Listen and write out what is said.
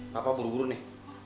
papa buru buru nih